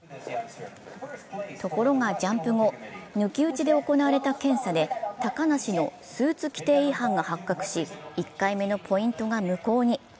ところがジャンプ後、抜き打ちで行われた検査で高梨のスーツ規定違反が発覚し、１回目のポイントが無効に。